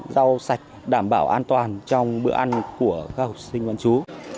giao sạch đảm bảo an toàn trong bữa ăn của các học sinh văn chú